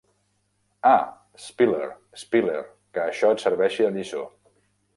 Ah, Spiller, Spiller, que això et serveixi de lliçó.